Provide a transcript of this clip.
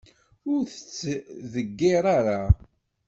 Ur t-ttḍeggir ara!